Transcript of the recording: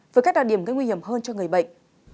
với các đặc điểm gây nguy hiểm hơn cho người bệnh